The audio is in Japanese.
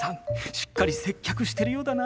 しっかり接客してるようだな。